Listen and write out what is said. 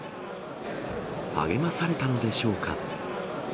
励まされたのでしょうか。